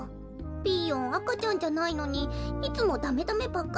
ピーヨンあかちゃんじゃないのにいつもダメダメばっかりだぴよ。